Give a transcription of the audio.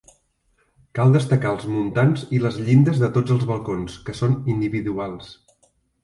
Cal destacar els muntants i les llindes de tots els balcons, que són individuals.